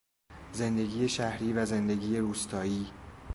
زندگی شهری و زندگی روستایی